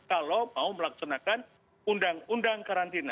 kalau mau melaksanakan undang undang karantina